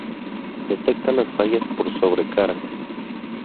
Detecta las fallas por sobrecarga.